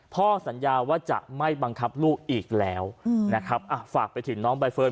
พ่อสัญญาว่าจะไม่บังคับลูกอีกแล้วนะครับอ่ะฝากไปถึงน้องใบเฟิร์